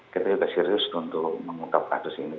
kita juga serius untuk mengungkap kasus ini